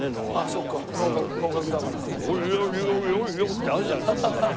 「あやややや」ってあるじゃないですかなんかね。